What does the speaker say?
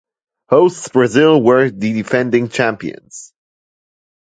Hosts Brazil were the defending champions.